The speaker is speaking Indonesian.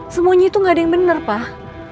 semuanya itu gak ada yang benar pak